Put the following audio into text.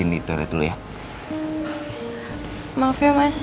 udah gila tuh island ketawa